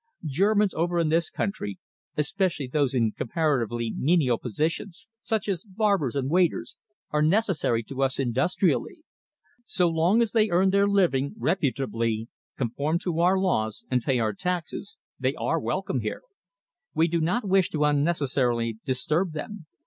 Germans over in this country, especially those in comparatively menial positions, such as barbers and waiters, are necessary to us industrially. So long as they earn their living reputably, conform to our laws, and pay our taxes, they are welcome here. We do not wish to unnecessarily disturb them.